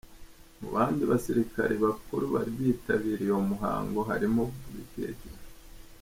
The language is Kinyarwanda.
Mu bandi basirikare bakuru bari bitabiriye uwo muhango harimo Brig.